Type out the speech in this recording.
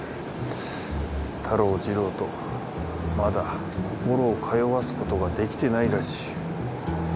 タロジロとまだ心を通わすことができてないらしい。